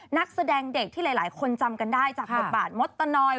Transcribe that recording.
นักแสดงเด็กที่หลายคนจำกันได้จากบทบาทมดตะนอย